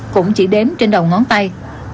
cũng chỉ đếm trên đầu ngón tay